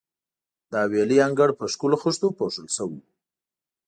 د حویلۍ انګړ په ښکلو خښتو پوښل شوی وو.